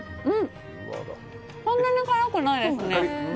そんなに辛くないですね。